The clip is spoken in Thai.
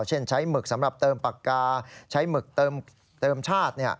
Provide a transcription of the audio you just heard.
เช่นใช้หมึกสำหรับเติมปากกาใช้หมึกเติมชาติ